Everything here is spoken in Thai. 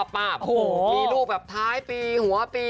มีรูปแบบท้ายปีหัวปี